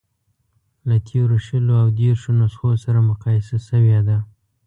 له تېرو شلو او دېرشو نسخو سره مقایسه شوې ده.